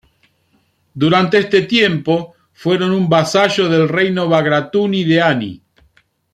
Durante este tiempo fueron un vasallo del reino bagratuni de Ani.